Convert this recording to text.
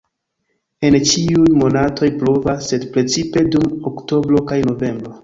En ĉiuj monatoj pluvas, sed precipe dum oktobro kaj novembro.